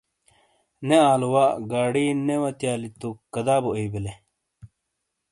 نے آلووا، گاڑی نے واتیالی توکدا بو ایئی بیلے؟